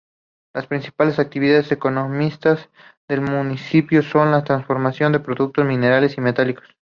Las principales actividades económicas del municipio son la transformación de productos minerales y metálicos.